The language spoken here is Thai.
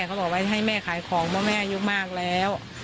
เขาบอกว่าให้แม่ขายของเพราะแม่อายุมากแล้ว